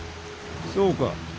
そうか。